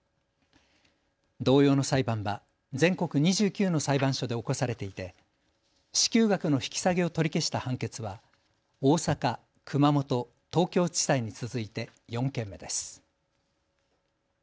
同様の裁判は全国２９の裁判所で起こされていて支給額の引き下げを取り消した判決は大阪、熊本、東京地裁に続いて４件目です。